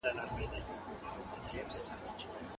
کوربه هیواد نظامي تمرینات نه ترسره کوي.